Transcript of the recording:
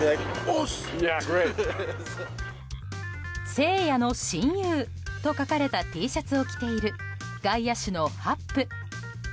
「誠也の親友」と書かれたＴシャツを着ている外野手のハップ。